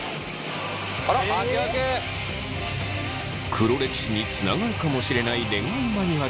黒歴史につながるかもしれない恋愛マニュアル。